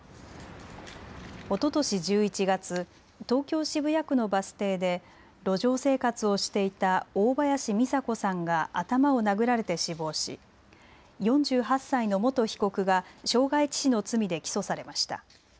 おととし１１月、東京渋谷区のバス停で路上生活をしていた大林三佐子さんが頭を殴られて死亡し４８歳の元被告が傷害致死の罪で起訴されました。